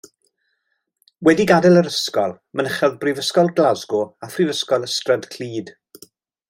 Wedi gadael yr ysgol mynychodd Brifysgol Glasgow a Phrifysgol Ystrad Clud.